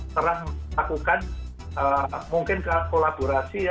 serang lakukan mungkin kolaborasi